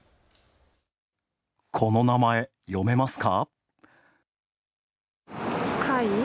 この名前、読めますか？